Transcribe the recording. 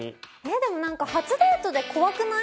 でも何か初デートで怖くない？